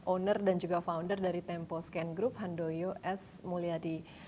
owner dan juga founder dari tempo scan group handoyo s mulyadi